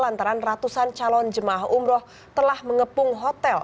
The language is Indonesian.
lantaran ratusan calon jemaah umroh telah mengepung hotel